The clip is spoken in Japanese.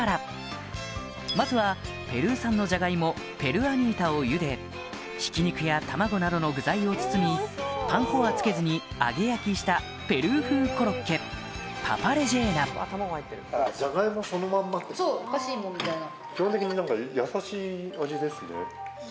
まずはペルー産のじゃがいもペルアニータをゆでひき肉やタマゴなどの具材を包みパン粉は付けずに揚げ焼きしたペルー風コロッケそうふかしイモみたいな。